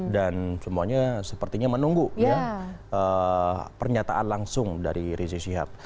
dan semuanya sepertinya menunggu pernyataan langsung dari rizik sihab